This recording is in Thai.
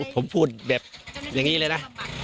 ผมพูดแบบอย่างนี้เลยนะ